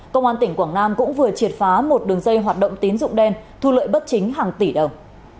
công an tỉnh quảng nam cũng vừa triệt phá một đường dây hoạt động tín dụng đen thu lợi bất chính hàng tỷ đồng